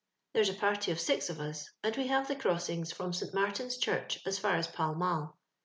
There's a party of six of us, and we have the crossings from St Martin's Church as far as Pall Moll.